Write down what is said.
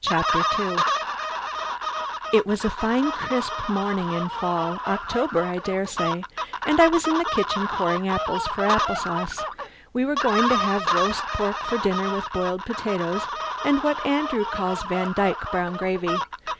CHAPTER TWO It was a fine, crisp morning in fall October I dare say and I was in the kitchen coring apples for apple sauce. We were going to have roast pork for dinner with boiled potatoes and what Andrew calls Vandyke brown gravy.